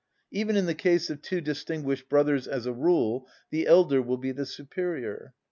Even in the case of two distinguished brothers, as a rule, the elder will be the superior.